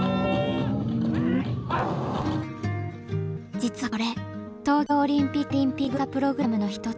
実はこれ東京オリンピック・パラリンピックの公式文化プログラムの一つ。